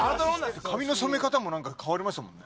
髪の染め方もなんか変わりましたもんね。